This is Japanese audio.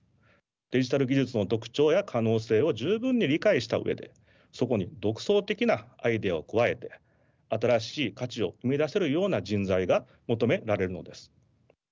デジタル技術の特徴や可能性を十分に理解した上でそこに独創的なアイデアを加えて新しい価値を生み出せるような人材が求められるのです。